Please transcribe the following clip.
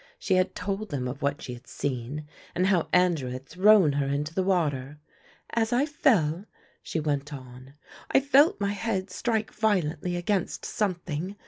She had told them of what she had seen and how Andrew had thrown her into the water. "As I fell," she went on, "I felt my head strike violently against something.